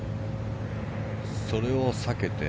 それを避けて。